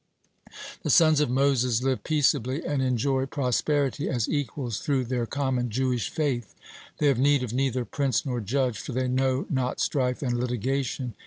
The Sons of Moses live peaceably and enjoy prosperity as equals through their common Jewish faith. They have need of neither prince nor judge, for they know not strife and litigation.